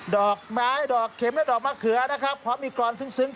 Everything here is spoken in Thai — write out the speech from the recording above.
ดอกไม้ดอกเข็มแต่ดอกมะเขือพร้อมมีกรรมซึ๊ง